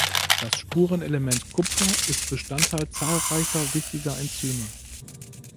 Das Spurenelement Kupfer ist Bestandteil zahlreicher wichtiger Enzyme.